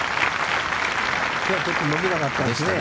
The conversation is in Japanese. きょうはちょっと伸びなかったね。